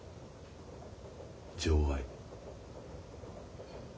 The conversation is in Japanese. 情愛。